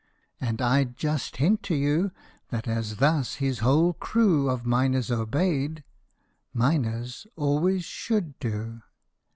And I 'd just hint to you That as thus this whole crew Of miners obeyed minors always should do.